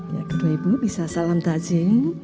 ya kedua ibu bisa salam tajin